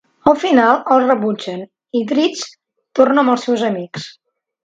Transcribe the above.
Al final el rebutgen i Drizzt torna amb els seus amics.